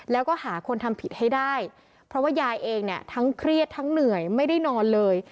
แล้วก็หาคนทำผิดให้ได้เพราะว่ายายเองเนี่ยทั้งเครียดทั้งเหนื่อยไม่ได้นอนเลย